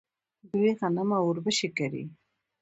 دوی غنم او وربشې کري.